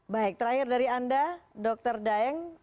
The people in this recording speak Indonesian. baik terakhir dari anda dr daeng